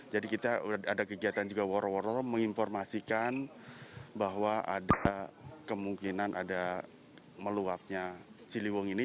jadi kita ada kegiatan juga waro woro menginformasikan bahwa ada kemungkinan ada meluapnya ciliwung ini